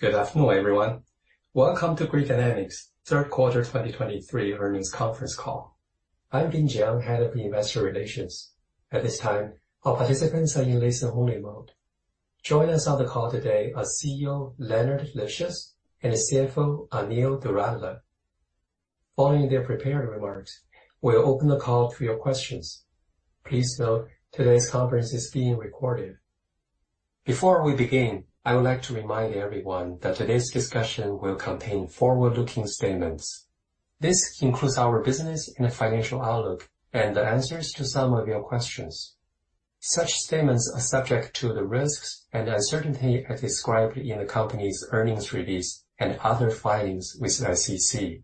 Good afternoon, everyone. Welcome to Grid Dynamics' Q3 2023 Earnings Conference Call. I'm Bin Jiang, Head of Investor Relations. At this time, our participants are in listen-only mode. Joining us on the call today are CEO, Leonard Livschitz, and CFO, Anil Doradla. Following their prepared remarks, we'll open the call to your questions. Please note, today's conference is being recorded. Before we begin, I would like to remind everyone that today's discussion will contain forward-looking statements. This includes our business and financial outlook, and the answers to some of your questions. Such statements are subject to the risks and uncertainty as described in the company's earnings release and other filings with the SEC.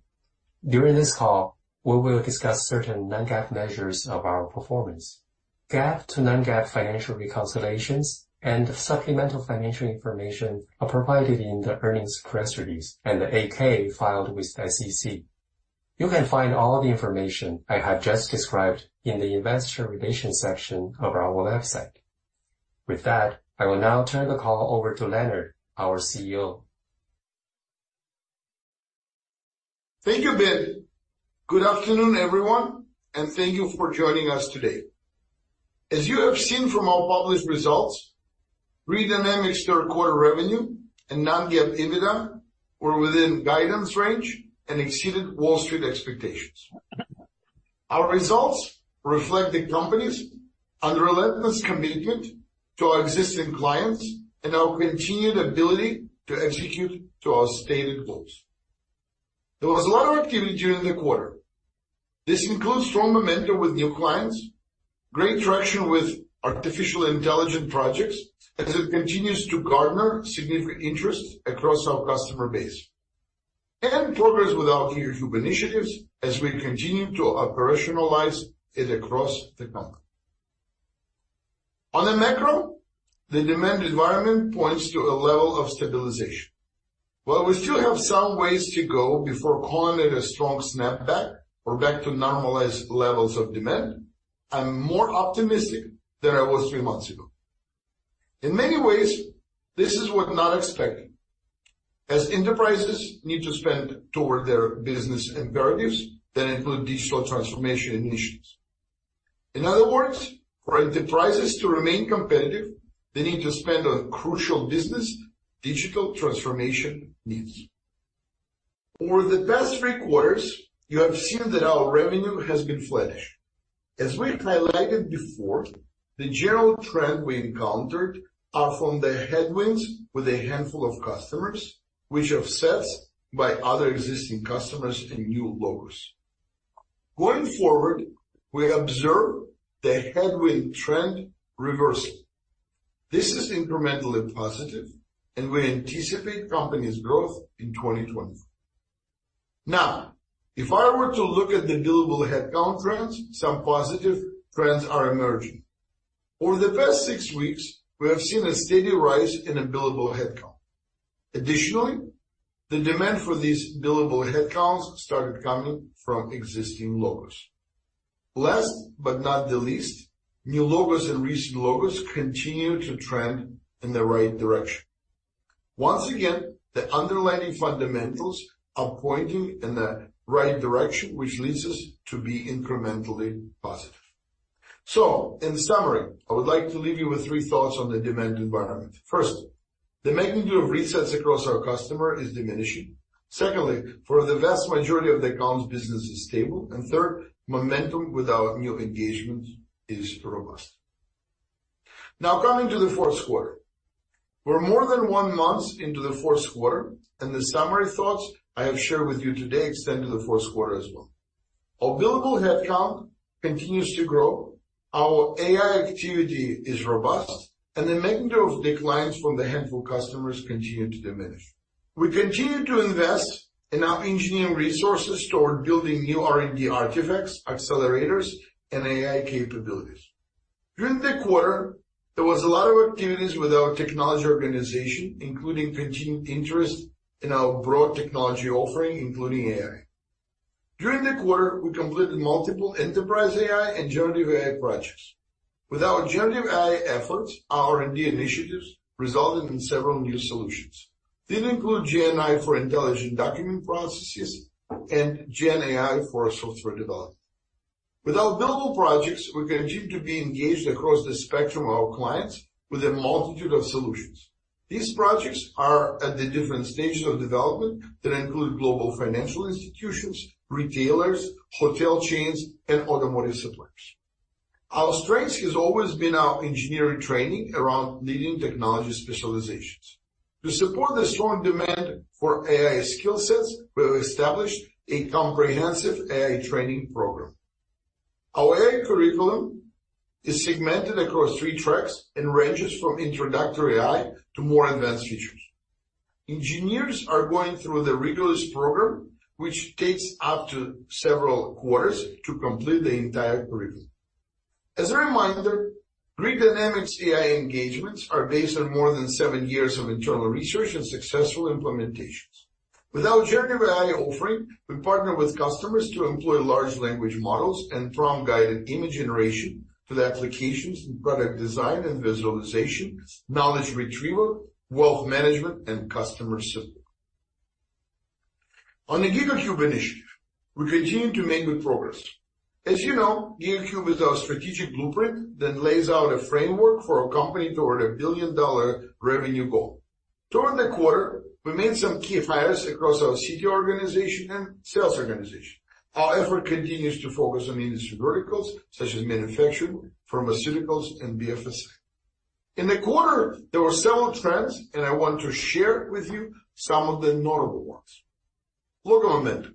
During this call, we will discuss certain non-GAAP measures of our performance. GAAP to non-GAAP financial reconciliations and supplemental financial information are provided in the earnings press release and the 8-K filed with the SEC. You can find all the information I have just described in the investor relations section of our website. With that, I will now turn the call over to Leonard, our CEO. Thank you, Bin. Good afternoon, everyone, and thank you for joining us today. As you have seen from our published results, Grid Dynamics' third quarter revenue and non-GAAP EBITDA were within guidance range and exceeded Wall Street expectations. Our results reflect the company's unrelenting commitment to our existing clients and our continued ability to execute to our stated goals. There was a lot of activity during the quarter. This includes strong momentum with new clients, great traction with artificial intelligence projects as it continues to garner significant interest across our customer base, and progress with our GigaCube initiatives as we continue to operationalize it across the company. On a macro, the demand environment points to a level of stabilization. While we still have some ways to go before calling it a strong snapback or back to normalized levels of demand, I'm more optimistic than I was three months ago. In many ways, this is what not expected, as enterprises need to spend toward their business imperatives that include digital transformation initiatives. In other words, for enterprises to remain competitive, they need to spend on crucial business digital transformation needs. Over the past three quarters, you have seen that our revenue has been flatish. As we highlighted before, the general trend we encountered are from the headwinds with a handful of customers, which offsets by other existing customers and new logos. Going forward, we observe the headwind trend reversal. This is incrementally positive, and we anticipate company's growth in 2024. Now, if I were to look at the billable headcount trends, some positive trends are emerging. Over the past six weeks, we have seen a steady rise in a billable headcount. Additionally, the demand for these billable headcounts started coming from existing logos. Last, but not the least, new logos and recent logos continue to trend in the right direction. Once again, the underlying fundamentals are pointing in the right direction, which leads us to be incrementally positive. So in summary, I would like to leave you with three thoughts on the demand environment. First, the magnitude of resets across our customer is diminishing. Secondly, for the vast majority of the accounts, business is stable. And third, momentum with our new engagements is robust. Now, coming to the fourth quarter. We're more than one month into the fourth quarter, and the summary thoughts I have shared with you today extend to the fourth quarter as well. Our billable headcount continues to grow, our AI activity is robust, and the magnitude of declines from the handful customers continue to diminish. We continue to invest in our engineering resources toward building new R&D artifacts, accelerators, and AI capabilities. During the quarter, there was a lot of activities with our technology organization, including pitching interest in our broad technology offering, including AI. During the quarter, we completed multiple enterprise AI and generative AI projects. With our generative AI efforts, our R&D initiatives resulted in several new solutions. These include GenAI for intelligent document processing and GenAI for software development. With our billable projects, we continue to be engaged across the spectrum of our clients with a multitude of solutions. These projects are at the different stages of development that include global financial institutions, retailers, hotel chains, and automotive suppliers. Our strength has always been our engineering training around leading technology specializations. To support the strong demand for AI skill sets, we have established a comprehensive AI training program. Our AI curriculum is segmented across three tracks and ranges from introductory AI to more advanced features. Engineers are going through the rigorous program, which takes up to several quarters to complete the entire curriculum. As a reminder, Grid Dynamics AI engagements are based on more than seven years of internal research and successful implementations. With our generative AI offering, we partner with customers to employ large language models and prompt-guided image generation for the applications in product design and visualization, knowledge retrieval, wealth management, and customer support. On the GigaCube initiative, we continue to make good progress. As you know, GigaCube is our strategic blueprint that lays out a framework for our company toward a billion-dollar revenue goal. During the quarter, we made some key hires across our CT organization and sales organization. Our effort continues to focus on industry verticals such as manufacturing, pharmaceuticals, and BFSI. In the quarter, there were several trends, and I want to share with you some of the notable ones. Logo momentum.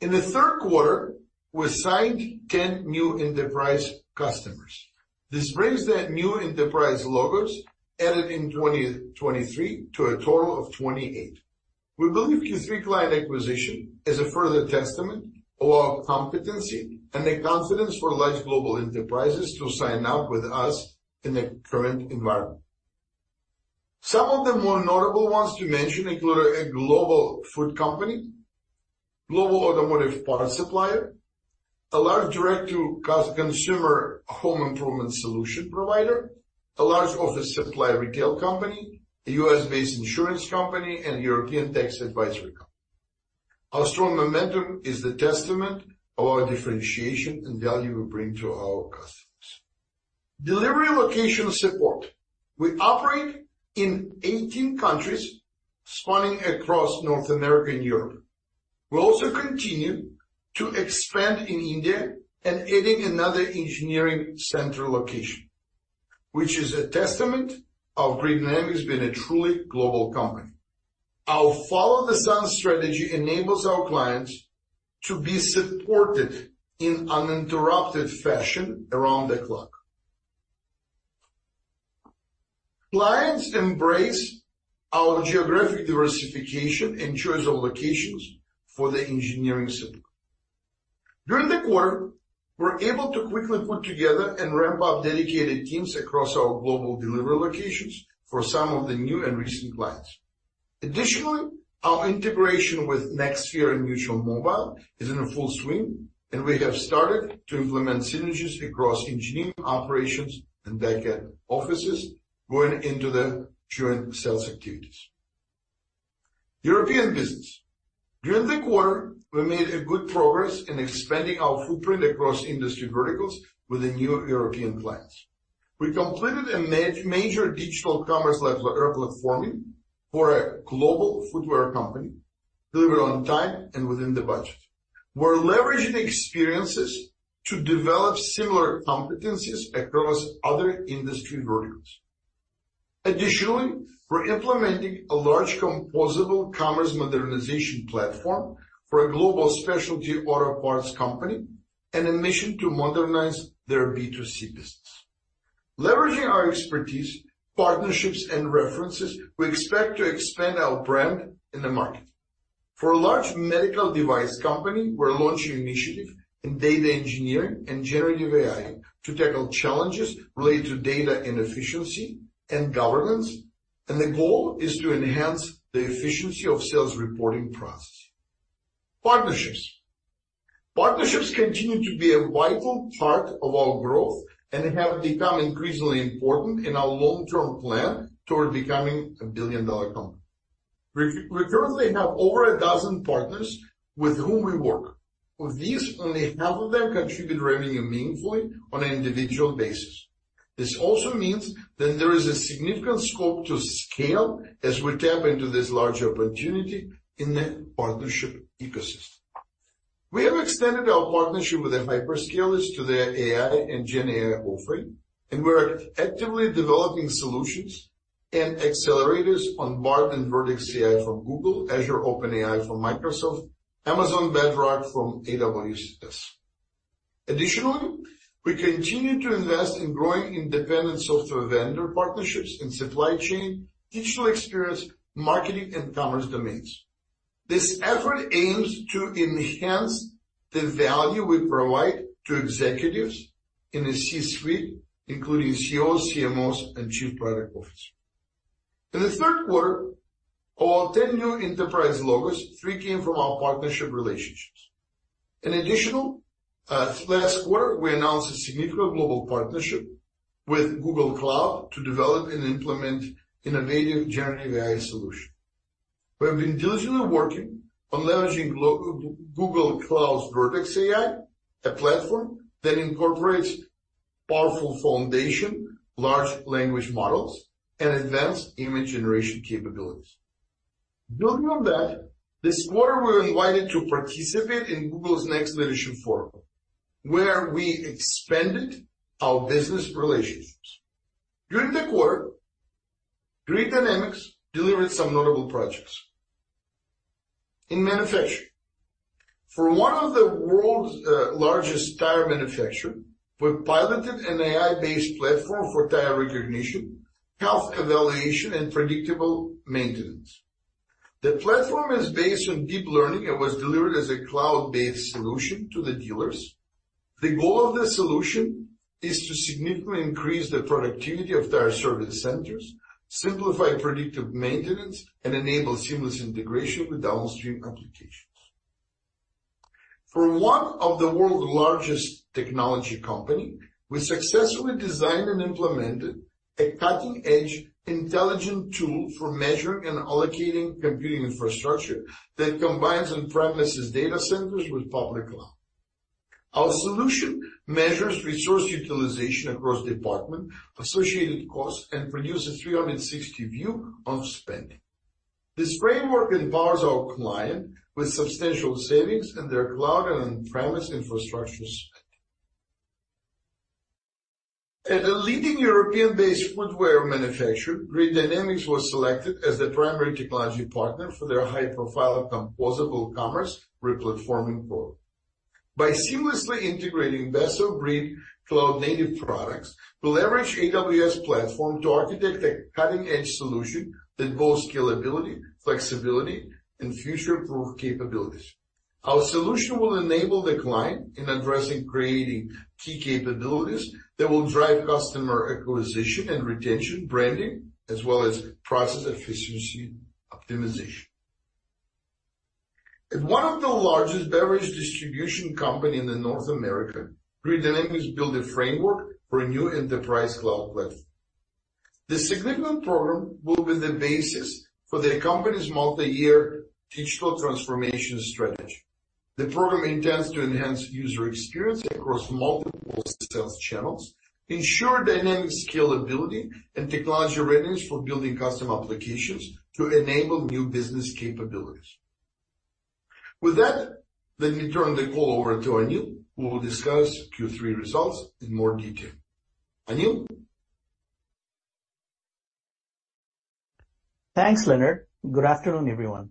In the third quarter, we signed 10 new enterprise customers. This brings the new enterprise logos added in 2023 to a total of 28. We believe Q3 client acquisition is a further testament of our competency and the confidence for large global enterprises to sign up with us in the current environment. Some of the more notable ones to mention include a global food company, global automotive parts supplier, a large direct-to-consumer home improvement solution provider, a large office supply retail company, a U.S.-based insurance company, and European tax advisory company. Our strong momentum is the testament of our differentiation and value we bring to our customers. Delivery location support. We operate in 18 countries spanning across North America and Europe. We also continue to expand in India and adding another engineering center location, which is a testament to Grid Dynamics being a truly global company. Our follow-the-sun strategy enables our clients to be supported in uninterrupted fashion around the clock. Clients embrace our geographic diversification and choice of locations for their engineering support. During the quarter, we're able to quickly put together and ramp up dedicated teams across our global delivery locations for some of the new and recent clients. Additionally, our integration with NextSphere and Mutual Mobile is in full swing, and we have started to implement synergies across engineering, operations, and dedicated offices going into the joint sales activities. European business. During the quarter, we made a good progress in expanding our footprint across industry verticals with the new European clients. We completed a major digital commerce platform for a global footwear company, delivered on time and within the budget. We're leveraging experiences to develop similar competencies across other industry verticals. Additionally, we're implementing a large composable commerce modernization platform for a global specialty auto parts company in a mission to modernize their B2C business. Leveraging our expertise, partnerships, and references, we expect to expand our brand in the market. For a large medical device company, we're launching an initiative in data engineering and generative AI to tackle challenges related to data inefficiency and governance, and the goal is to enhance the efficiency of sales reporting process. Partnerships continue to be a vital part of our growth and have become increasingly important in our long-term plan toward becoming a billion-dollar company. We currently have over a dozen partners with whom we work. Of these, only half of them contribute revenue meaningfully on an individual basis. This also means that there is a significant scope to scale as we tap into this large opportunity in the partnership ecosystem. We have extended our partnership with the hyperscalers to their AI and GenAI offering, and we are actively developing solutions and accelerators on Bard and Vertex AI from Google, Azure OpenAI from Microsoft, Amazon Bedrock from AWS. Additionally, we continue to invest in growing independent software vendor partnerships in supply chain, digital experience, marketing, and commerce domains. This effort aims to enhance the value we provide to executives in the C-suite, including CEOs, CMOs, and Chief Product Officer. In the third quarter of our 10 new enterprise logos, three came from our partnership relationships. In addition, last quarter, we announced a significant global partnership with Google Cloud to develop and implement innovative generative AI solution. We have been diligently working on leveraging Google Cloud's Vertex AI, a platform that incorporates powerful foundation models, large language models, and advanced image generation capabilities. Building on that, this quarter, we were invited to participate in Google's Next Leadership Forum, where we expanded our business relationships. During the quarter, Grid Dynamics delivered some notable projects. In manufacturing, for one of the world's largest tire manufacturer, we piloted an AI-based platform for tire recognition, health evaluation, and predictive maintenance. The platform is based on deep learning and was delivered as a cloud-based solution to the dealers. The goal of this solution is to significantly increase the productivity of their service centers, simplify predictive maintenance, and enable seamless integration with downstream applications. For one of the world's largest technology company, we successfully designed and implemented a cutting-edge intelligent tool for measuring and allocating computing infrastructure that combines on-premises data centers with public cloud. Our solution measures resource utilization across department, associated costs, and produces 360 view on spending. This framework empowers our client with substantial savings in their cloud and on-premise infrastructure spend. At a leading European-based footwear manufacturer, Grid Dynamics was selected as the primary technology partner for their high-profile composable commerce replatforming portal. By seamlessly integrating best-of-breed cloud-native products, we leverage AWS platform to architect a cutting-edge solution that boasts scalability, flexibility, and future-proof capabilities. Our solution will enable the client in addressing creating key capabilities that will drive customer acquisition and retention, branding, as well as process efficiency optimization. At one of the largest beverage distribution company in North America, Grid Dynamics built a framework for a new enterprise cloud platform. This significant program will be the basis for the company's multi-year digital transformation strategy. The program intends to enhance user experience across multiple sales channels, ensure dynamic scalability, and technology readiness for building custom applications to enable new business capabilities. With that, let me turn the call over to Anil, who will discuss Q3 results in more detail. Anil? Thanks, Leonard. Good afternoon, everyone.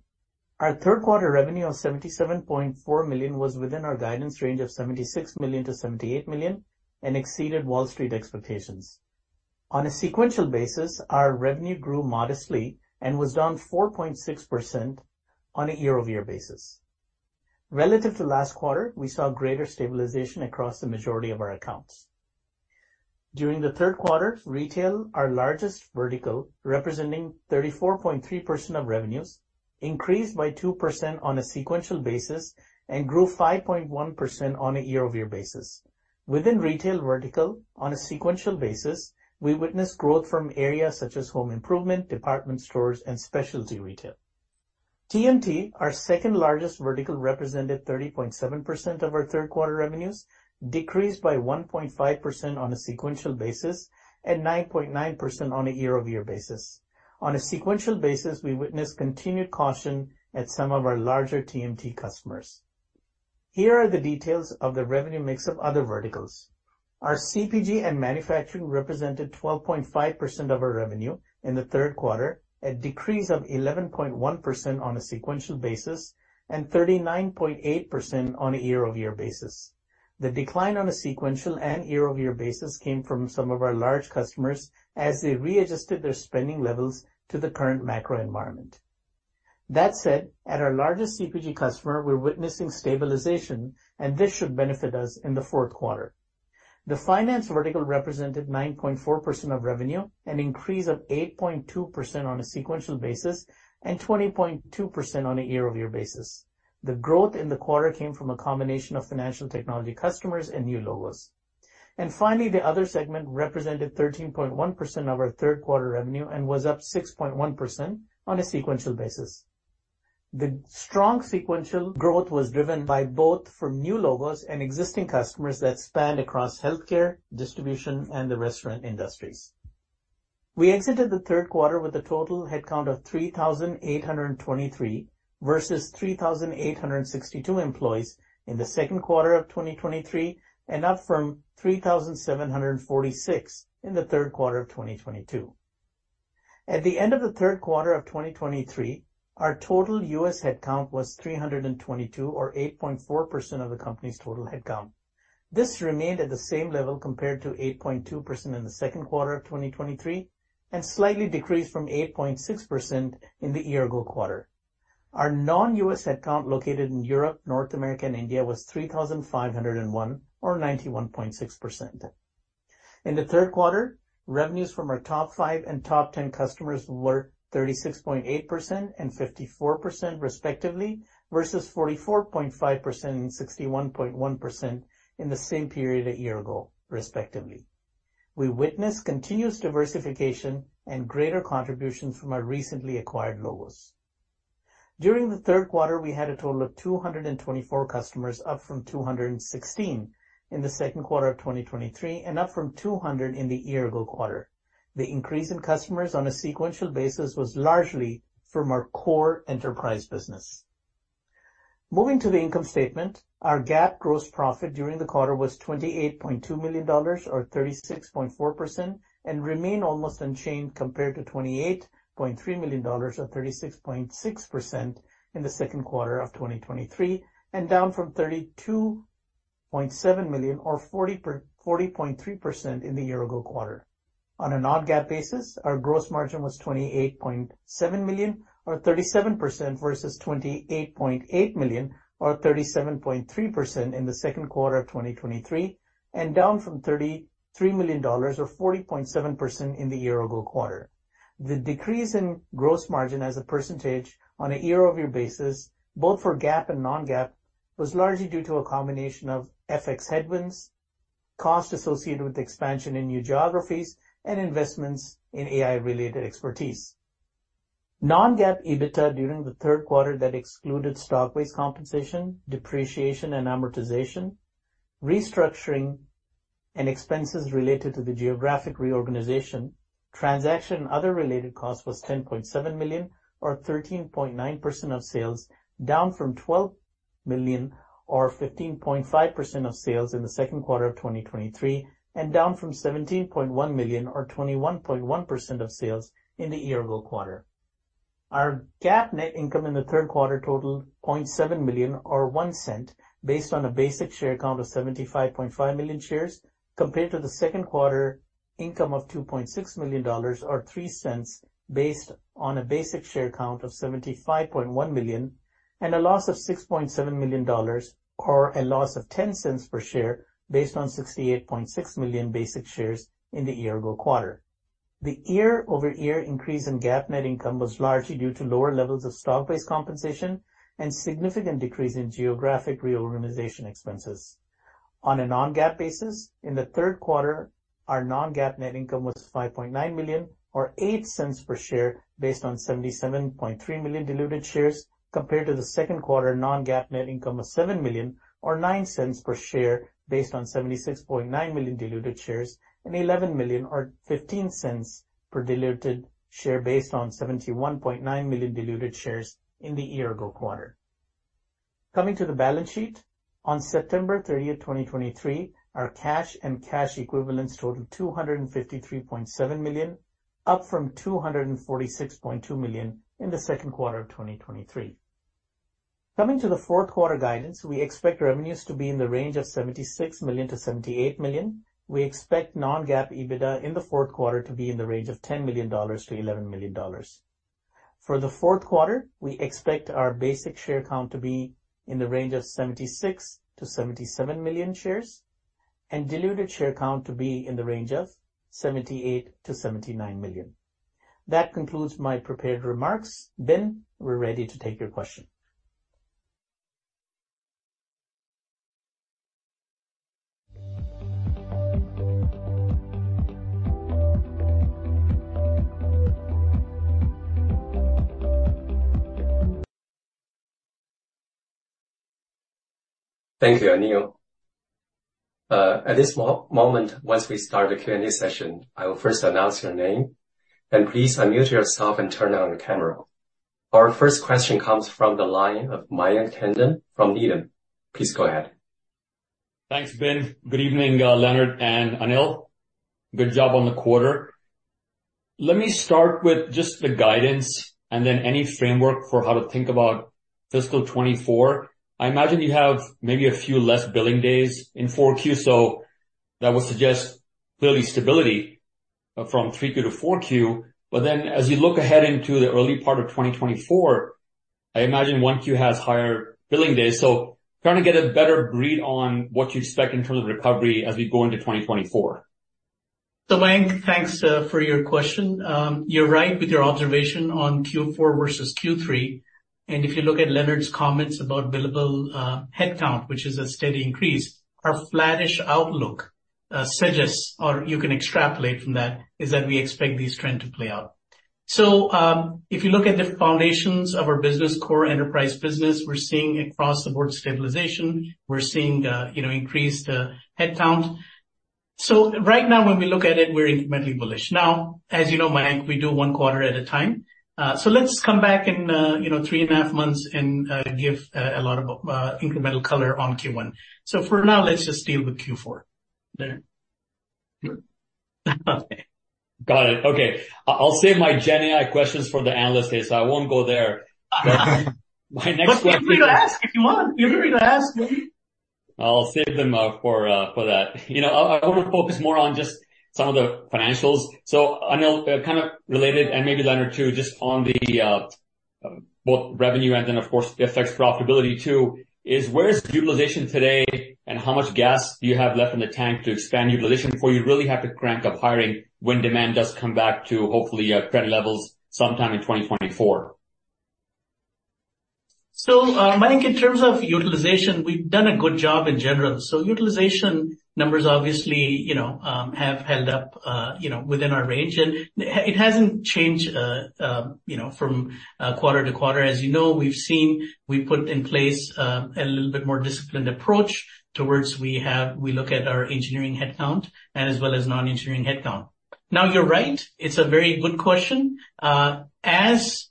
Our third quarter revenue of $77.4 million was within our guidance range of $76 million-$78 million and exceeded Wall Street expectations. On a sequential basis, our revenue grew modestly and was down 4.6% on a year-over-year basis. Relative to last quarter, we saw greater stabilization across the majority of our accounts. During the third quarter, retail, our largest vertical, representing 34.3% of revenues, increased by 2% on a sequential basis and grew 5.1% on a year-over-year basis. Within retail vertical, on a sequential basis, we witnessed growth from areas such as home improvement, department stores, and specialty retail. TMT, our second-largest vertical, represented 30.7% of our third quarter revenues, decreased by 1.5% on a sequential basis and 9.9% on a year-over-year basis. On a sequential basis, we witnessed continued caution at some of our larger TMT customers. Here are the details of the revenue mix of other verticals. Our CPG and manufacturing represented 12.5% of our revenue in the third quarter, a decrease of 11.1% on a sequential basis and 39.8% on a year-over-year basis. The decline on a sequential and year-over-year basis came from some of our large customers as they readjusted their spending levels to the current macro environment. That said, at our largest CPG customer, we're witnessing stabilization, and this should benefit us in the fourth quarter. The finance vertical represented 9.4% of revenue, an increase of 8.2% on a sequential basis and 20.2% on a year-over-year basis. The growth in the quarter came from a combination of financial technology customers and new logos. And finally, the other segment represented 13.1% of our third quarter revenue and was up 6.1% on a sequential basis. The strong sequential growth was driven by both from new logos and existing customers that spanned across healthcare, distribution, and the restaurant industries. We exited the third quarter with a total headcount of 3,823 versus 3,862 employees in the second quarter of 2023, and up from 3,746 in the third quarter of 2022. At the end of the third quarter of 2023, our total U.S. headcount was 322, or 8.4% of the company's total headcount. This remained at the same level compared to 8.2% in the second quarter of 2023, and slightly decreased from 8.6% in the year ago quarter. Our non-U.S. headcount located in Europe, North America, and India, was 3,501 or 91.6%. In the third quarter, revenues from our top five and top ten customers were 36.8% and 54%, respectively, versus 44.5% and 61.1% in the same period a year ago, respectively. We witnessed continuous diversification and greater contributions from our recently acquired logos. During the third quarter, we had a total of 224 customers, up from 216 in the second quarter of 2023 and up from 200 in the year ago quarter. The increase in customers on a sequential basis was largely from our core enterprise business. Moving to the income statement, our GAAP gross profit during the quarter was $28.2 million or 36.4%, and remained almost unchanged compared to $28.3 million or 36.6% in the second quarter of 2023, and down from $32.7 million or 40.3% in the year-ago quarter. On a non-GAAP basis, our gross margin was $28.7 million, or 37%, versus $28.8 million, or 37.3% in the second quarter of 2023, and down from $33 million, or 40.7% in the year-ago quarter. The decrease in gross margin as a percentage on a year-over-year basis, both for GAAP and non-GAAP, was largely due to a combination of FX headwinds, cost associated with expansion in new geographies, and investments in AI-related expertise. Non-GAAP EBITDA during the third quarter that excluded stock-based compensation, depreciation and amortization, restructuring and expenses related to the geographic reorganization, transaction and other related costs was $10.7 million, or 13.9% of sales, down from $12 million, or 15.5% of sales in the second quarter of 2023, and down from $17.1 million, or 21.1% of sales in the year-ago quarter. Our GAAP net income in the third quarter totaled $0.7 million, or $0.01, based on a basic share count of 75.5 million shares, compared to the second quarter income of $2.6 million, or $0.03, based on a basic share count of 75.1 million, and a loss of $6.7 million, or a loss of $0.10 per share, based on 68.6 million basic shares in the year-ago quarter. The year-over-year increase in GAAP net income was largely due to lower levels of stock-based compensation and significant decrease in geographic reorganization expenses. On a Non-GAAP basis, in the third quarter, our Non-GAAP net income was $5.9 million, or $0.08 per share, based on 77.3 million diluted shares, compared to the second quarter Non-GAAP net income of $7 million or $0.09 per share, based on 76.9 million diluted shares, and $11 million or $0.15 per diluted share, based on 71.9 million diluted shares in the year-ago quarter. Coming to the balance sheet, on September 30, 2023, our cash and cash equivalents totaled $253.7 million, up from $246.2 million in the second quarter of 2023. Coming to the fourth quarter guidance, we expect revenues to be in the range of $76 million-$78 million. We expect non-GAAP EBITDA in the fourth quarter to be in the range of $10 million-$11 million. For the fourth quarter, we expect our basic share count to be in the range of 76-77 million shares, and diluted share count to be in the range of 78-79 million. That concludes my prepared remarks. Bin, we're ready to take your question. Thank you, Anil. At this moment, once we start the Q&A session, I will first announce your name, and please unmute yourself and turn on your camera. Our first question comes from the line of Mayank Tandon from Needham. Please go ahead. Thanks, Bin. Good evening, Leonard and Anil. Good job on the quarter. Let me start with just the guidance and then any framework for how to think about fiscal 2024. I imagine you have maybe a few less billing days in 4Q, so that would suggest clearly stability from 3Q-4Q. But then as you look ahead into the early part of 2024, I imagine 1Q has higher billing days, so trying to get a better read on what you expect in terms of recovery as we go into 2024. So Mayank, thanks for your question. You're right with your observation on Q4 versus Q3. And if you look at Leonard's comments about billable headcount, which is a steady increase, our flattish outlook suggests, or you can extrapolate from that, is that we expect these trends to play out. So, if you look at the foundations of our business, core enterprise business, we're seeing across the board stabilization. We're seeing, you know, increased headcount. So right now, when we look at it, we're incrementally bullish. Now, as you know, Mayank, we do one quarter at a time. So let's come back in, you know, three and a half months and give a lot of incremental color on Q1. So for now, let's just deal with Q4. Leonard? Got it. Okay. I'll save my GenAI questions for the analyst today, so I won't go there. My next question- Feel free to ask if you want. Feel free to ask, Mayank. I'll save them for that. You know, I want to focus more on just some of the financials. So Anil, kind of related, and maybe Leonard too, just on the both revenue and then, of course, the effects profitability too, is where's utilization today? And how much gas do you have left in the tank to expand utilization before you really have to crank up hiring when demand does come back to hopefully pre levels sometime in 2024? So, Mayank, in terms of utilization, we've done a good job in general. So utilization numbers obviously, you know, have held up, you know, within our range, and it hasn't changed, you know, from quarter to quarter. As you know, we've seen... We've put in place a little bit more disciplined approach towards we look at our engineering headcount and as well as non-engineering headcount. Now, you're right, it's a very good question. As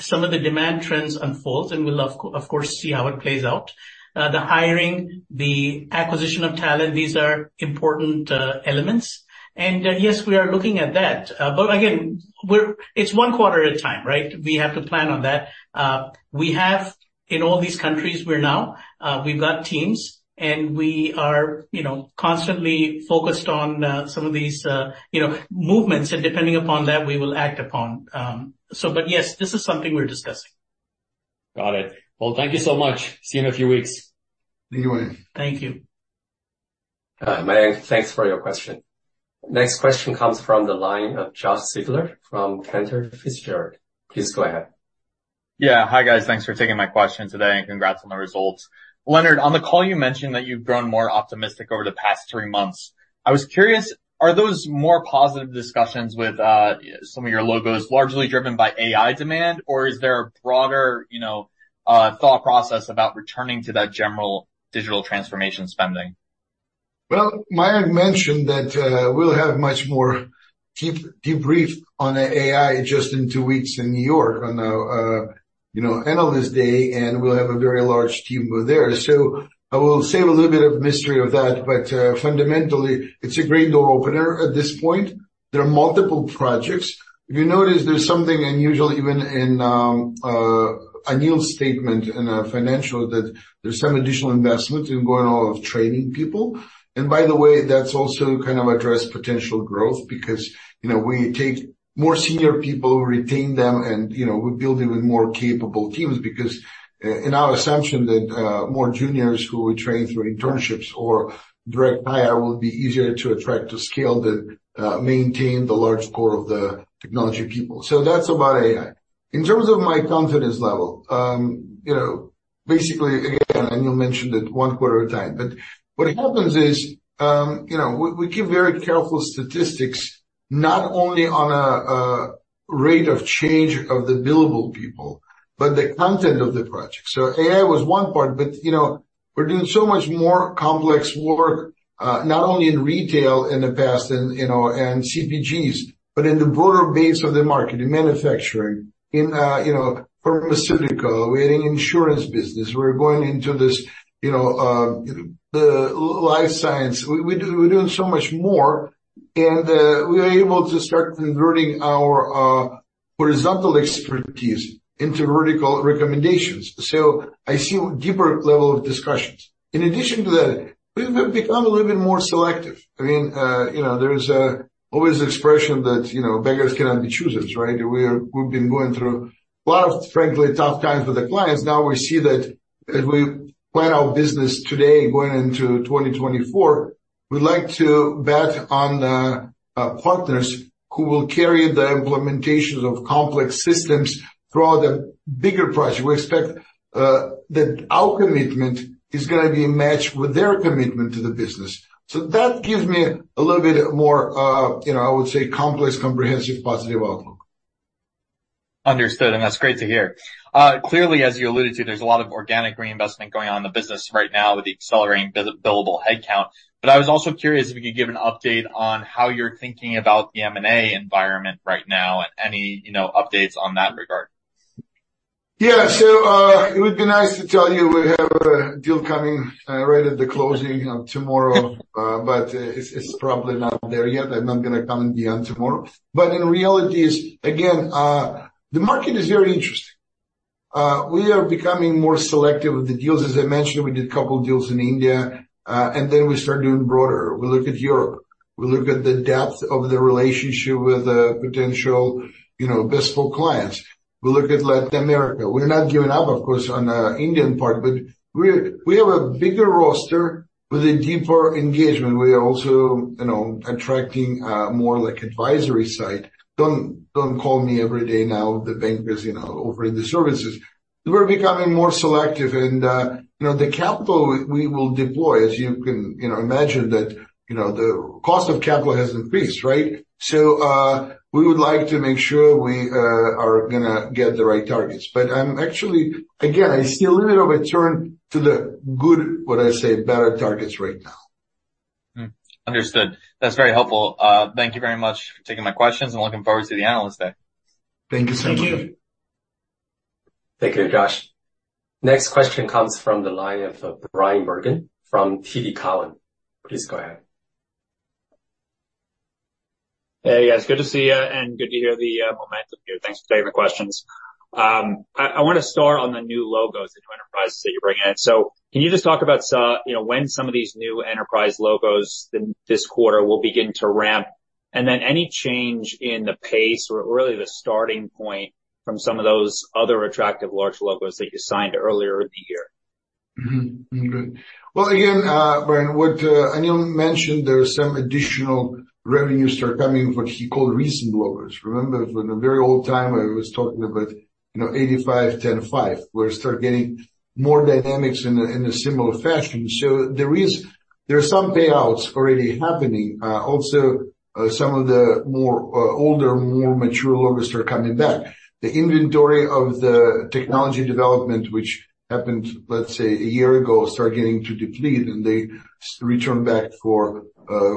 some of the demand trends unfold, and we'll of course see how it plays out, the hiring, the acquisition of talent, these are important elements. And, yes, we are looking at that. But again, we're—it's one quarter at a time, right? We have to plan on that. We have, in all these countries we're now, we've got teams, and we are, you know, constantly focused on some of these, you know, movements, and depending upon that, we will act upon. So but, yes, this is something we're discussing. Got it. Well, thank you so much. See you in a few weeks. Thank you, Mayank. Thank you.... Mayank, thanks for your question. Next question comes from the line of Josh Siegler from Cantor Fitzgerald. Please go ahead. Yeah. Hi, guys. Thanks for taking my question today, and congrats on the results. Leonard, on the call, you mentioned that you've grown more optimistic over the past three months. I was curious, are those more positive discussions with some of your logos largely driven by AI demand? Or is there a broader, you know, thought process about returning to that general digital transformation spending? Well, Mayank mentioned that, we'll have much more deep, debrief on the AI just in two weeks in New York on the, you know, Analyst Day, and we'll have a very large team there. So I will save a little bit of mystery of that, but, fundamentally, it's a great door opener at this point. There are multiple projects. If you notice, there's something unusual, even in, Anil's statement in, financial, that there's some additional investment in going on of training people. And by the way, that's also kind of address potential growth, because, you know, we take more senior people, retain them, and, you know, we build even more capable teams. Because, in our assumption that, more juniors who were trained through internships or direct hire will be easier to attract, to scale, maintain the large core of the technology people. So that's about AI. In terms of my confidence level, you know, basically, again, Anil mentioned it one quarter at a time. But what happens is, you know, we keep very careful statistics, not only on a rate of change of the billable people, but the content of the project. So AI was one part, but, you know, we're doing so much more complex work, not only in retail in the past and, you know, and CPGs, but in the broader base of the market, in manufacturing, in, you know, pharmaceutical. We're in insurance business. We're going into this, you know, the life science. We're doing so much more, and we are able to start converting our horizontal expertise into vertical recommendations. So I see a deeper level of discussions. In addition to that, we've become a little bit more selective. I mean, you know, there is always expression that, you know, beggars cannot be choosers, right? We've been going through a lot of, frankly, tough times with the clients. Now, we see that as we plan our business today, going into 2024, we'd like to bet on partners who will carry the implementations of complex systems throughout the bigger project. We expect that our commitment is gonna be matched with their commitment to the business. So that gives me a little bit more, you know, I would say, complex, comprehensive, positive outlook. Understood, and that's great to hear. Clearly, as you alluded to, there's a lot of organic reinvestment going on in the business right now with the accelerating billable headcount. But I was also curious if you could give an update on how you're thinking about the M&A environment right now and any, you know, updates on that regard. Yeah. So, it would be nice to tell you we have a deal coming right at the closing tomorrow, but it's probably not there yet. I'm not gonna come and be on tomorrow. But in reality, again, the market is very interesting. We are becoming more selective with the deals. As I mentioned, we did a couple deals in India, and then we start doing broader. We look at Europe. We look at the depth of the relationship with the potential, you know, best for clients. We look at Latin America. We're not giving up, of course, on the Indian part, but we have a bigger roster with a deeper engagement. We are also, you know, attracting more like advisory side. "Don't call me every day now," the bankers, you know, offering the services. We're becoming more selective and, you know, the capital we will deploy, as you can, you know, imagine that, you know, the cost of capital has increased, right? So, we would like to make sure we are gonna get the right targets. But I'm actually, again, I see a little bit of a turn to the good, what I say, better targets right now. Understood. That's very helpful. Thank you very much for taking my questions, and looking forward to the Analyst Day. Thank you so much. Thank you. Thank you, Josh. Next question comes from the line of Bryan Bergin from TD Cowen. Please go ahead. Hey, guys. Good to see you and good to hear the momentum here. Thanks for taking the questions. I want to start on the new logos, the new enterprises that you're bringing in. So can you just talk about, you know, when some of these new enterprise logos this quarter will begin to ramp, and then any change in the pace or really the starting point from some of those other attractive large logos that you signed earlier in the year? Mm-hmm. Mm. Well, again, Bryan, what Anil mentioned, there are some additional revenues start coming, what he called recent logos. Remember, from the very old time, I was talking about, you know, 85, 10, 5, where start getting more dynamics in a similar fashion. So there is... There are some payouts already happening. Also, some of the more, older, more mature logos are coming back. The inventory of the technology development, which happened, let's say, a year ago, start getting to deplete, and they return back for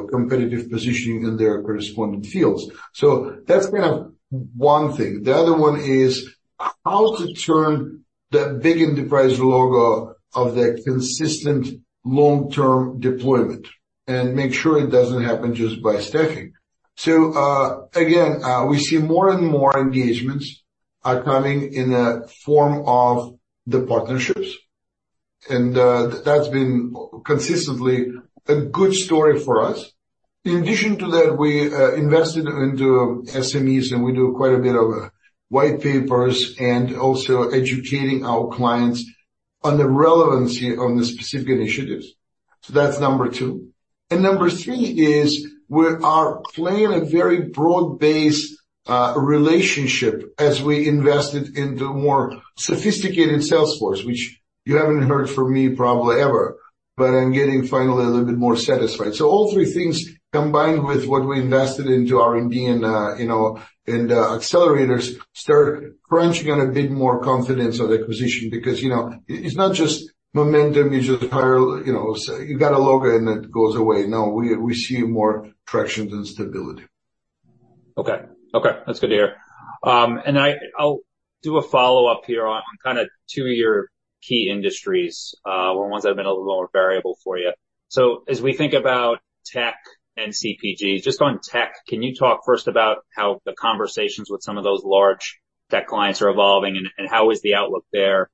competitive positioning in their corresponding fields. So that's kind of one thing. The other one is how to turn that big enterprise logo of the consistent long-term deployment and make sure it doesn't happen just by staffing. So, again, we see more and more engagements are coming in a form of the partnerships, and that's been consistently a good story for us. In addition to that, we invested into SMEs, and we do quite a bit of white papers and also educating our clients on the relevancy on the specific initiatives. So that's number two. And number three is we are playing a very broad-based relationship as we invested in the more sophisticated sales force, which you haven't heard from me probably ever, but I'm getting finally a little bit more satisfied. So all three things, combined with what we invested into R&D and, you know, and accelerators, start crunching on a bit more confidence of acquisition. Because, you know, it's not just momentum, it's just higher, you know, you got a logo, and it goes away. No, we see more traction than stability. Okay. Okay, that's good to hear. And I'll do a follow-up here on, on kind of two of your key industries, or ones that have been a little more variable for you. So as we think about tech and CPG, just on tech, can you talk first about how the conversations with some of those large tech clients are evolving and, and how is the outlook there?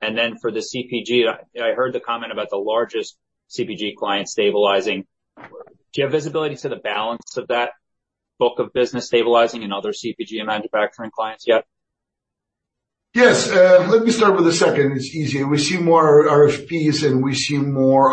And then for the CPG, I heard the comment about the largest CPG client stabilizing. Do you have visibility to the balance of that book of business stabilizing and other CPG and manufacturing clients yet? Yes. Let me start with the second. It's easier. We see more RFPs, and we see more,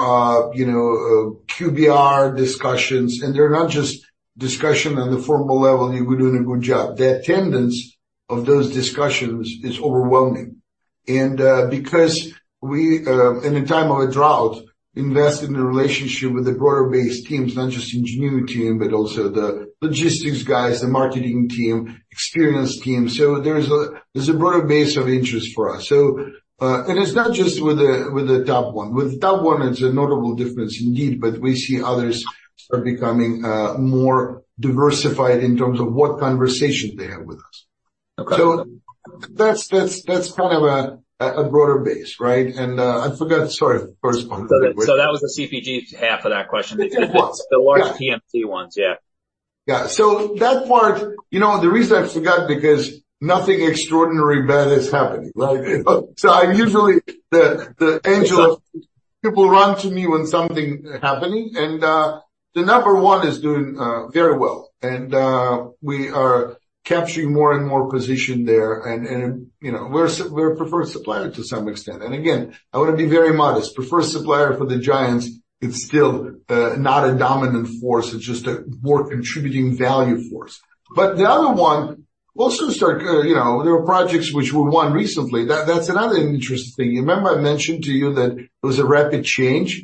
you know, QBR discussions, and they're not just discussion on the formal level, you were doing a good job. The attendance of those discussions is overwhelming. Because we, in a time of a drought, invest in a relationship with the broader-based teams, not just engineering team, but also the logistics guys, the marketing team, experience team. So there's a broader base of interest for us. So, and it's not just with the top one. With the top one, it's a notable difference indeed, but we see others are becoming more diversified in terms of what conversation they have with us. Okay. So that's kind of a broader base, right? And I forgot, sorry, the first one. That was the CPG half of that question. It was. The large PMC ones. Yeah. Yeah. So that part, you know, the reason I forgot, because nothing extraordinary bad is happening, right? So I usually, the only time people run to me when something happening, and the number one is doing very well, and we are capturing more and more position there, and, and, you know, we're we're a preferred supplier to some extent. And again, I want to be very modest. Preferred supplier for the giants, it's still not a dominant force, it's just a more contributing value for us. But the other one also start, you know, there were projects which were won recently. That's another interesting thing. You remember I mentioned to you that there was a rapid change?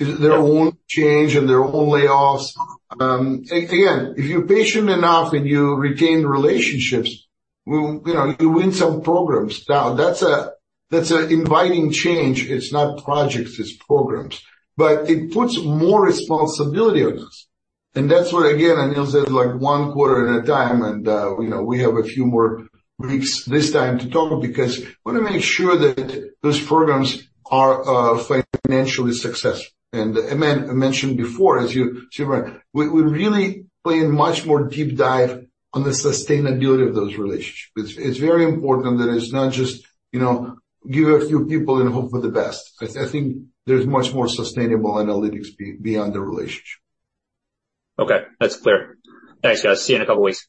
Yeah. Their own change and their own layoffs. Again, if you're patient enough and you retain relationships, we, you know, you win some programs. Now, that's a, that's an inviting change. It's not projects, it's programs, but it puts more responsibility on us. And that's what, again, Anil said, like one quarter at a time, and, you know, we have a few more weeks this time to talk, because we want to make sure that those programs are financially successful. And I mentioned before, as you see, right, we, we really play a much more deep dive on the sustainability of those relationships. It's, it's very important that it's not just, you know, give a few people and hope for the best. I, I think there's much more sustainable analytics beyond the relationship. Okay, that's clear. Thanks, guys. See you in a couple weeks.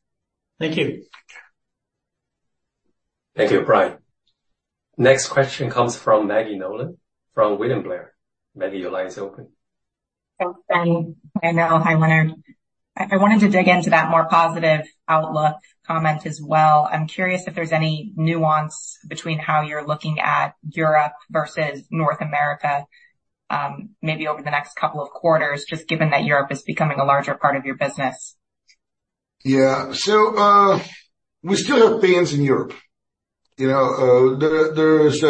Thank you. Thank you, Bryan. Next question comes from Maggie Nolan, from William Blair. Maggie, your line is open. Thanks, Danny. I know. Hi, Leonard. I wanted to dig into that more positive outlook comment as well. I'm curious if there's any nuance between how you're looking at Europe versus North America, maybe over the next couple of quarters, just given that Europe is becoming a larger part of your business. Yeah. So, we still have bets in Europe. You know, there's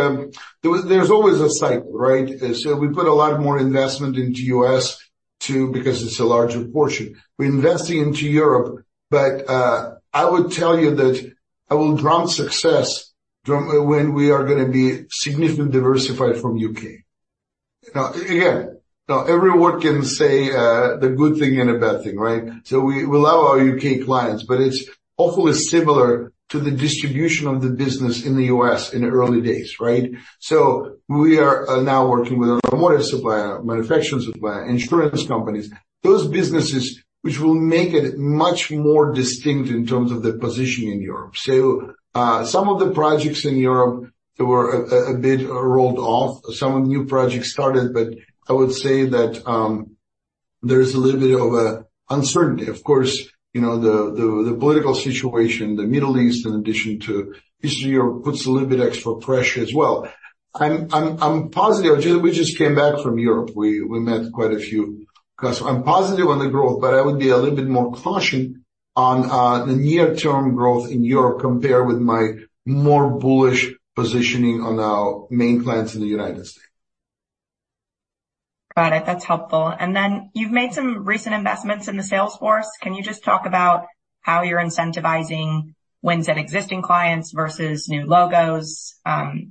always a cycle, right? So we put a lot more investment into U.S., too, because it's a larger portion. We're investing into Europe, but, I would tell you that I will drive success when we are gonna be significantly diversified from U.K. Now, again, now everyone can say, the good thing and a bad thing, right? So we, we love our U.K. clients, but it's awfully similar to the distribution of the business in the U.S. in the early days, right? So we are, now working with automotive supplier, manufacturing supplier, insurance companies, those businesses which will make it much more distinct in terms of the position in Europe. So, some of the projects in Europe that were a bit rolled off, some new projects started, but I would say that, there's a little bit of a uncertainty. Of course, you know, the political situation, the Middle East, in addition to Eastern Europe, puts a little bit extra pressure as well. I'm positive. We just came back from Europe. We met quite a few customers. I'm positive on the growth, but I would be a little bit more cautious on the near-term growth in Europe compared with my more bullish positioning on our main clients in the United States. Got it. That's helpful. And then you've made some recent investments in the sales force. Can you just talk about how you're incentivizing wins at existing clients versus new logos,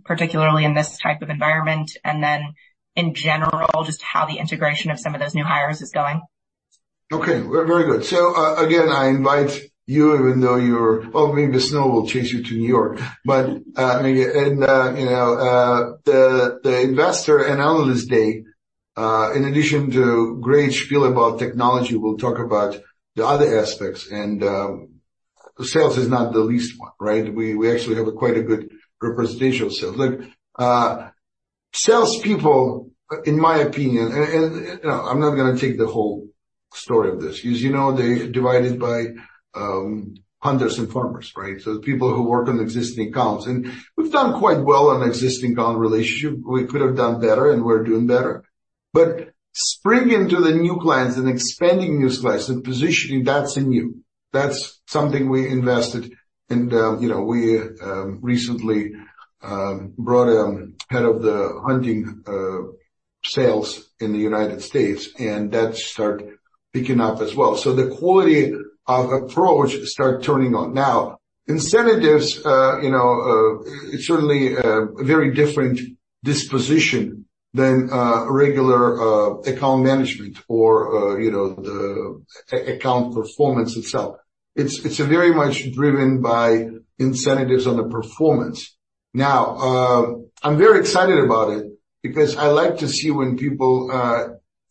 particularly in this type of environment? And then, in general, just how the integration of some of those new hires is going. Okay, very good. So, again, I invite you, even though you're... Well, maybe the snow will chase you to New York. But and you know, the investor and Analyst Day, in addition to great spiel about technology, we'll talk about the other aspects, and sales is not the least one, right? We actually have quite a good representation of sales. Look, salespeople, in my opinion, and you know, I'm not gonna take the whole story of this, because you know, they're divided into hunters and farmers, right? So the people who work on existing accounts, and we've done quite well on existing account relationship. We could have done better, and we're doing better. But speaking to the new clients and expanding new clients and positioning, that's in you. That's something we invested in, you know, we recently brought a head of the hunting sales in the United States, and that start picking up as well. So the quality of approach start turning on. Now, incentives, you know, it's certainly a very different disposition than regular account management or, you know, the account performance itself. It's a very much driven by incentives on the performance. Now, I'm very excited about it because I like to see when people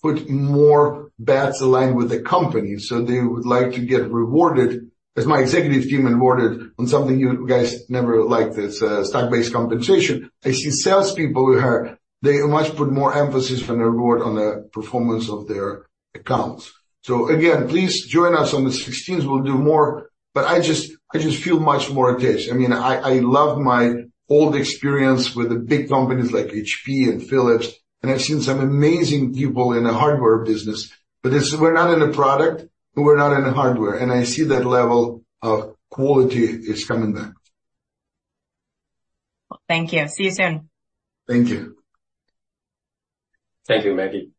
put more bets aligned with the company, so they would like to get rewarded, as my executive team rewarded on something you guys never liked, it's stock-based compensation. I see salespeople we have, they must put more emphasis on the reward, on the performance of their accounts. So again, please join us on the 16th. We'll do more, but I just feel much more engaged. I mean, I love my old experience with the big companies like HP and Philips, and I've seen some amazing people in the hardware business, but it's. We're not in a product, and we're not in a hardware, and I see that level of quality is coming back. Thank you. See you soon. Thank you. Thank you, Maggie.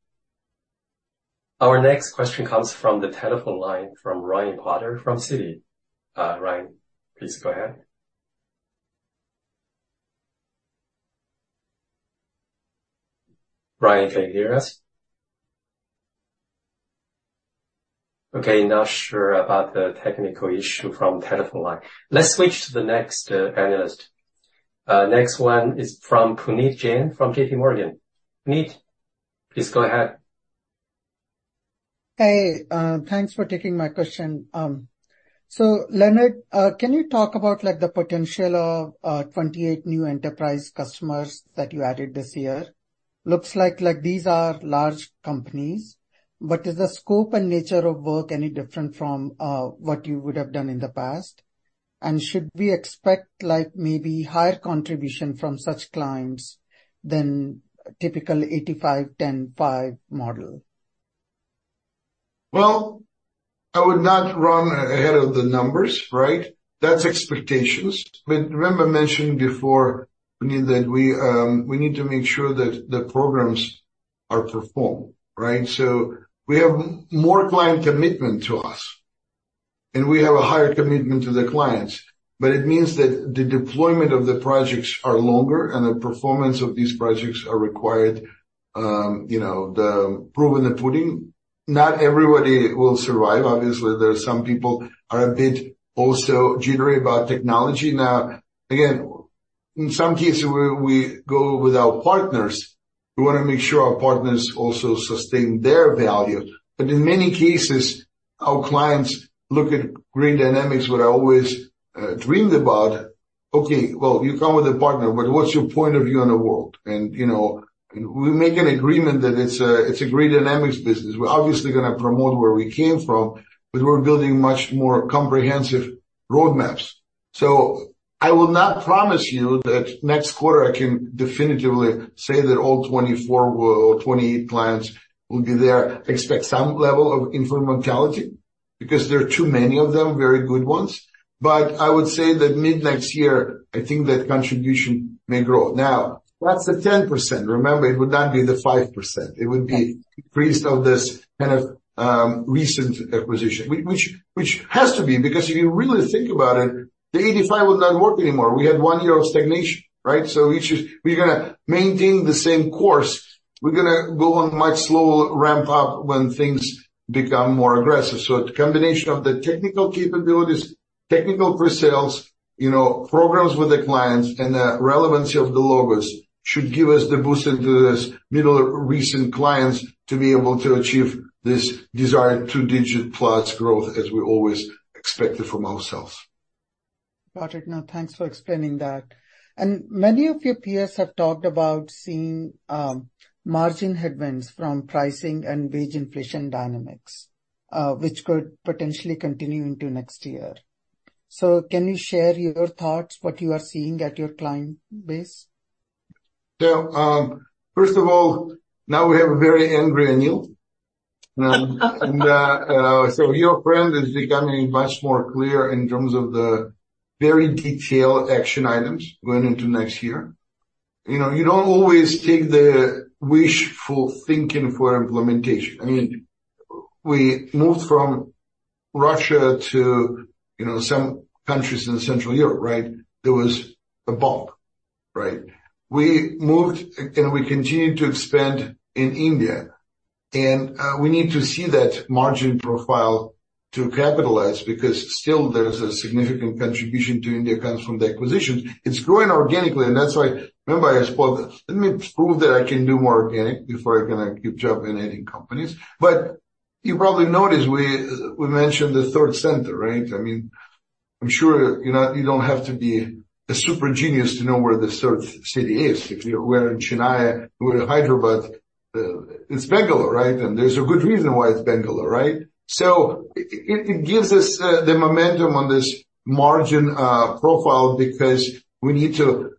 Our next question comes from the telephone line from Ryan Potter from Citi. Ryan, please go ahead. Ryan, can you hear us? Okay, not sure about the technical issue from telephone line. Let's switch to the next, analyst. Next one is from Puneet Jain, from JP Morgan. Puneet, please go ahead. Hey, thanks for taking my question. So Leonard, can you talk about like, the potential of 28 new enterprise customers that you added this year? Looks like, like these are large companies, but is the scope and nature of work any different from what you would have done in the past? And should we expect like maybe higher contribution from such clients than typical 85, 10, 5 model? Well, I would not run ahead of the numbers, right? That's expectations. But remember mentioning before, Puneet, that we need to make sure that the programs are performed, right? So we have more client commitment to us, and we have a higher commitment to the clients, but it means that the deployment of the projects are longer and the performance of these projects are required, you know, the proving the pudding. Not everybody will survive. Obviously, there are some people are a bit also jittery about technology. Now, again, in some cases, we go with our partners. We wanna make sure our partners also sustain their value. But in many cases, our clients look at Grid Dynamics, what I always dreamed about. Okay, well, you come with a partner, but what's your point of view on the world? You know, we make an agreement that it's a Grid Dynamics business. We're obviously gonna promote where we came from, but we're building much more comprehensive roadmaps. So I will not promise you that next quarter I can definitively say that all 24 or 28 clients will be there. Expect some level of informality, because there are too many of them, very good ones. But I would say that mid-next year, I think that contribution may grow. Now, that's the 10%. Remember, it would not be the 5%. It would be increase of this kind of recent acquisition, which has to be, because if you really think about it, the 85 would not work anymore. We had one year of stagnation, right? So we're gonna maintain the same course. We're gonna go on a much slower ramp up when things become more aggressive. So the combination of the technical capabilities, technical pre-sales, you know, programs with the clients, and the relevancy of the logos should give us the boost into this middle recent clients to be able to achieve this desired two-digit + growth, as we always expected from ourselves. Got it. Now, thanks for explaining that. And many of your peers have talked about seeing margin headwinds from pricing and wage inflation dynamics, which could potentially continue into next year. So can you share your thoughts, what you are seeing at your client base? So, first of all, now we have a very angry Anil. And, so your friend is becoming much more clear in terms of the very detailed action items going into next year. You know, you don't always take the wishful thinking for implementation. I mean, we moved from Russia to, you know, some countries in Central Europe, right? There was a bump, right? We moved, and we continued to expand in India, and, we need to see that margin profile to capitalize, because still there is a significant contribution to India comes from the acquisitions. It's growing organically, and that's why... Remember, I spoke, let me prove that I can do more organic before I can keep job in adding companies. But you probably noticed we mentioned the third center, right? I mean... I'm sure you know, you don't have to be a super genius to know where the third city is. If you were in Chennai, we're in Hyderabad, it's Bangalore, right? And there's a good reason why it's Bangalore, right? So it gives us the momentum on this margin profile, because we need to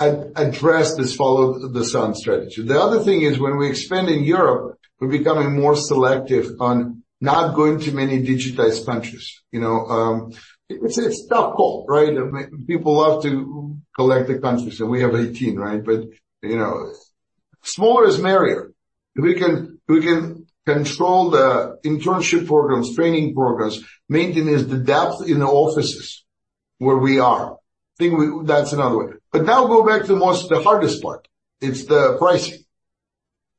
address this follow the sun strategy. The other thing is, when we expand in Europe, we're becoming more selective on not going to many digitized countries. You know, it's a tough call, right? I mean, people love to collect the countries, and we have 18, right? But, you know, smaller is merrier. We can control the internship programs, training programs, maintain the depth in the offices where we are. I think that's another way. But now go back to the most, the hardest part. It's the pricing,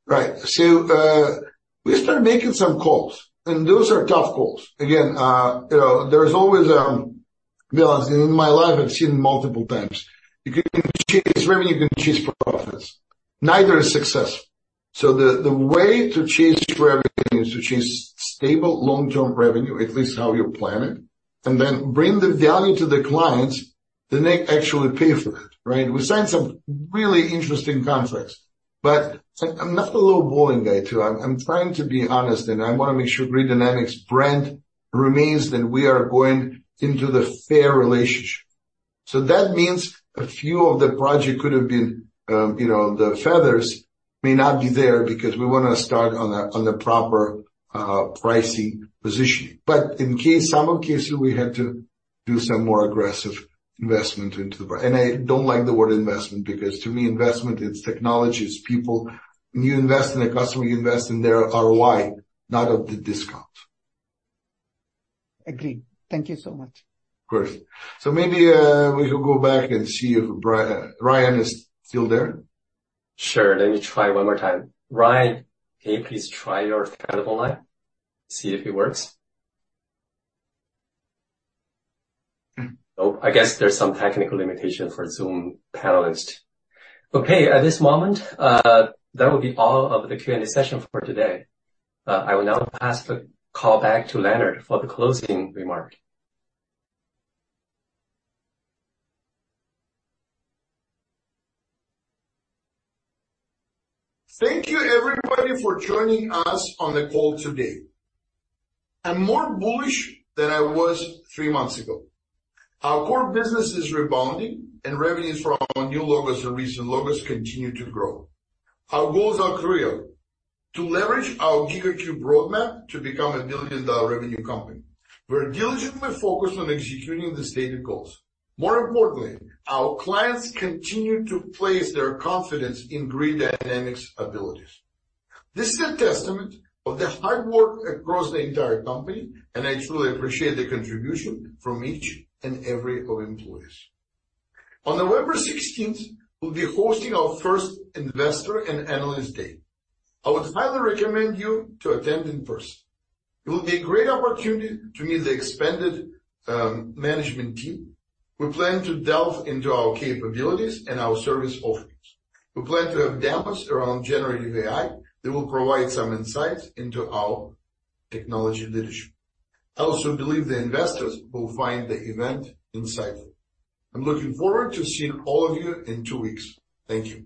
right? So, we start making some calls, and those are tough calls. Again, you know, there's always a balance. In my life, I've seen multiple times. You can chase revenue, you can chase profits. Neither is successful. So the, the way to chase revenue is to chase stable, long-term revenue, at least how you plan it, and then bring the value to the clients, then they actually pay for it, right? We signed some really interesting contracts, but I'm not a little boring guy, too. I'm, I'm trying to be honest, and I want to make sure Grid Dynamics brand remains, that we are going into the fair relationship. So that means a few of the project could have been, you know, the feathers may not be there because we wanna start on a, on a proper, pricing position. But in some cases, we had to do some more aggressive investment into the... And I don't like the word investment, because to me, investment, it's technology, it's people. When you invest in a customer, you invest in their ROI, not of the discount. Agreed. Thank you so much. Of course. So maybe, we could go back and see if Ryan, Ryan is still there. Sure. Let me try one more time. Ryan, can you please try your telephone line, see if it works? Mm. Oh, I guess there's some technical limitation for Zoom panelist. Okay, at this moment, that will be all of the Q&A session for today. I will now pass the call back to Leonard for the closing remark. Thank you, everybody, for joining us on the call today. I'm more bullish than I was three months ago. Our core business is rebounding, and revenues from our new logos and recent logos continue to grow. Our goals are clear: to leverage our GigaCube roadmap to become a billion-dollar revenue company. We're diligently focused on executing the stated goals. More importantly, our clients continue to place their confidence in Grid Dynamics' abilities. This is a testament of the hard work across the entire company, and I truly appreciate the contribution from each and every of employees. On November sixteenth, we'll be hosting our first investor and Analyst Day. I would highly recommend you to attend in person. It will be a great opportunity to meet the expanded management team. We plan to delve into our capabilities and our service offerings. We plan to have demos around generative AI that will provide some insights into our technology leadership. I also believe the investors will find the event insightful. I'm looking forward to seeing all of you in two weeks. Thank you.